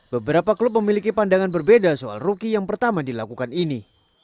beberapa klub memiliki pandangan berbeda soal rookie yang pertama dilakukan ini